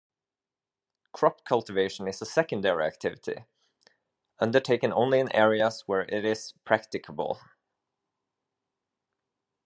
Crop cultivation is a secondary activity, undertaken only in areas where it is practicable.